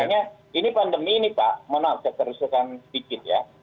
makanya ini pandemi ini pak mohon maaf saya kerusuhan sedikit ya